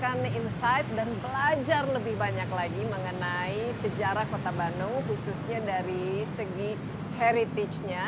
kita akan insight dan belajar lebih banyak lagi mengenai sejarah kota bandung khususnya dari segi heritage nya